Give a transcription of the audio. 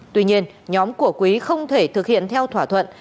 tuy nhiên nhóm của quý không thể thực hiện theo thỏa thuận